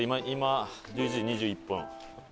今１１時２１分。